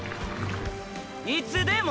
いつでも？